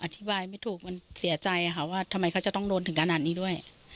อธิบายไม่ถูกมันเสียใจค่ะว่าทำไมเขาจะต้องโดนถึงขนาดนี้ด้วย